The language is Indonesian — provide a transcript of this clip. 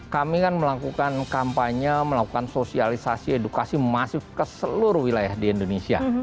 kami kan melakukan kampanye melakukan sosialisasi edukasi masif ke seluruh wilayah di indonesia